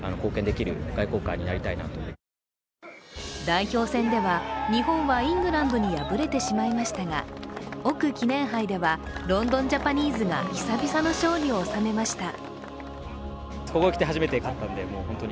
代表戦では日本はイングランドに敗れてしまいましたが奥記念杯では、ロンドン・ジャパニーズが久々の勝利を収めました。